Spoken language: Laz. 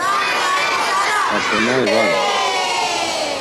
Aǩonai va ren.